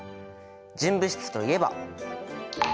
純物質といえば。